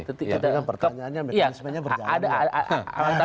jadi kan pertanyaannya mekanismenya berjalan ya